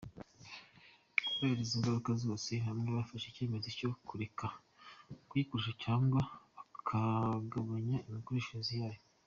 Kubera izi ngaruka zose, bamwe bafashe icyemezo cyo kureka kuyikoresha cyangwa bakagabanya imikoreshereze yayo.